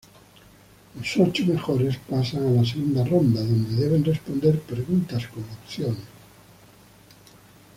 Los ocho mejores pasan a la segunda ronda, donde deben responder preguntas con opciones.